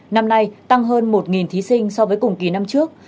năm nay tăng hơn một thí sinh so với cùng kỳ năm trước